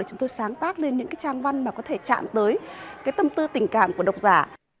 chúng tôi sáng tác lên những cái trang văn mà có thể chạm tới cái tâm tư tình cảm của độc giả